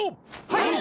はい！